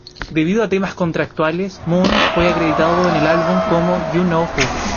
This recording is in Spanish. Debido a temas contractuales, Moon fue acreditado en el álbum como "You Know Who".